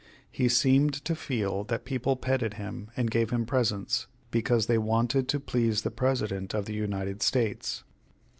He seemed to feel that people petted him, and gave him presents, because they wanted to please the President of the United States.